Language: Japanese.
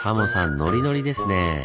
ノリノリですねぇ。